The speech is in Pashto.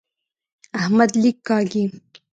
احمد لیک کاږي.